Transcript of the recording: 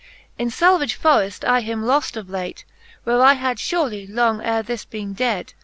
XXIX. In falvage forreft I him loft of late, Where I had furely long ere thh bene dead.